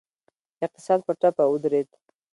اقتصاد په ټپه ودرید.